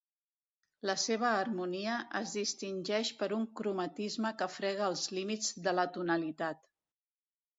La seva harmonia es distingeix per un cromatisme que frega els límits de l'atonalitat.